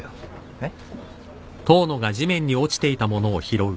えっ？